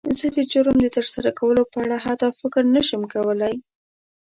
زه د جرم د تر سره کولو په اړه حتی فکر نه شم کولی.